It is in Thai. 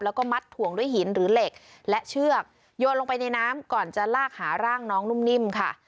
แล้วก็มัดถ่วงด้วยหินหรือเหล็กและเชือกโยนลงไปในน้ำก่อนจะลากหาร่างน้องนุ่มนิ่มค่ะ